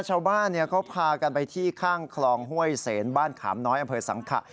ชาวบ้านเขาพากันไปที่ข้างคลองห้วยเสนบ้านขามน้อยอำเภอสังขะ